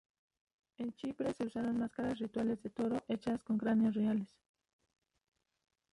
En Chipre se usaron máscaras rituales de toro hechas con cráneos reales.